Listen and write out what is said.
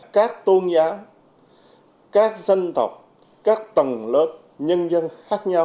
các tôn giáo các dân tộc các tầng lớp nhân dân khác nhau